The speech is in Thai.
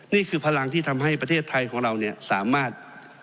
นี่คือพลังที่ทำให้ประเทศไทยของเราสามารถ